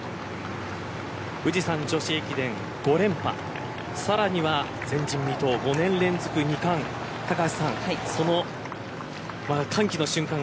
富士山女子駅伝５連覇さらには前人未踏５年連続、２冠その歓喜の瞬間が